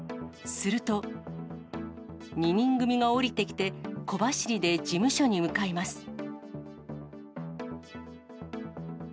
すると、２人組が降りてきて、小走りで事務所に向かいます。